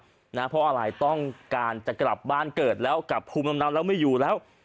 เพราะอะไรต้องการจะกลับบ้านเกิดแล้วกลับภูมิลำเนาแล้วไม่อยู่แล้ว